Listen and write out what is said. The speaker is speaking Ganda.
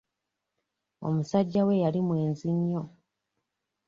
Omusajja we yali mwenzi nnyo.